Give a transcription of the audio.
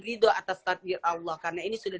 ridho atas takdir allah karena ini sudah